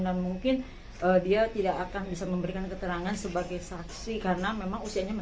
dan mungkin dia tidak akan bisa memberikan keterangan sebagai saksi karena memang usianya